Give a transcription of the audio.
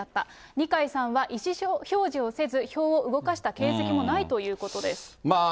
二階さんは意思表示をせず、票を動かした形跡もないということです。